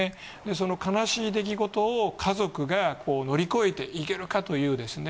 その悲しい出来事を家族が乗り越えていけるかというですね